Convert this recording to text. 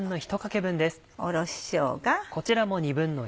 おろししょうが。